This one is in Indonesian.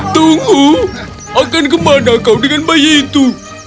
tunggu akan kemana kau dengan bayi itu